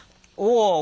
お！